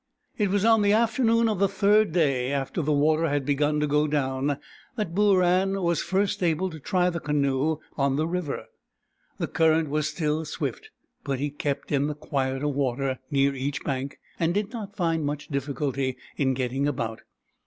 It was on the afternoon of the third day after the water had begun to go down, that Booran was first able to try the canoe on the river. The cur rent was still swift, but he kept in the quieter water near each bank, and did not find much difficulty in getting about.